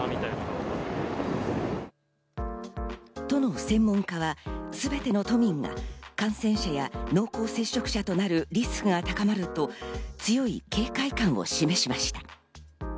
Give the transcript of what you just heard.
都の専門家はすべての都民が感染者や濃厚接触者となるリスクが高まると強い警戒感を示しました。